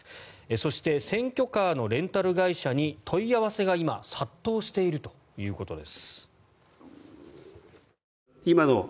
そして選挙カーのレンタル会社に問い合わせが今殺到しているということです。